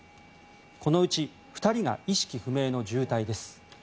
このうち２人が意識不明の重体です。